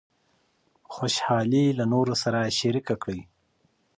خوشحالي له نورو سره شریکه کړئ.